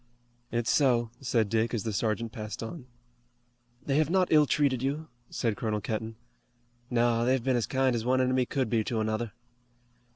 "It's so," said Dick as the sergeant passed on. "They have not ill treated you?" said Colonel Kenton. "No, they've been as kind as one enemy could be to another."